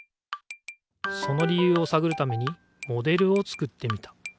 その理ゆうをさぐるためにモデルを作ってみた。